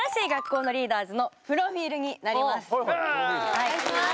お願いします。